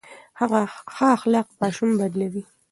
ښه اخلاق ماشوم بدلوي.